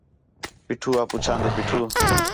پیٹھو آ پچھاندے پیٹھو